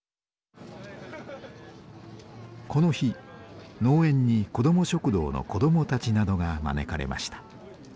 この日農園に子ども食堂の子どもたちなどが招かれました。